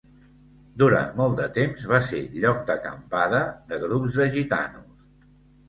Durant molt temps va ser lloc d'acampada de grups de gitanos.